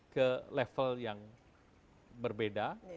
ke level yang berbeda